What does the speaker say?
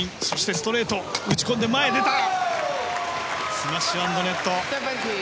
スマッシュアンドネット！